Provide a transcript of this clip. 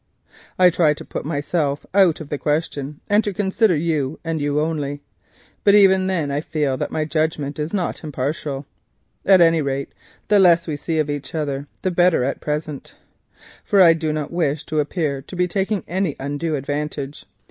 I try to put myself out of the question and to consider you, and you only; but even then I fear that my judgment is not impartial. At any rate, the less we see of each other at present the better, for I do not wish to appear to be taking any undue advantage.